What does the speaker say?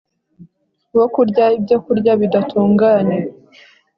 wo kurya ibyokurya bidatunganye